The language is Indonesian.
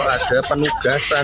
ada penugasan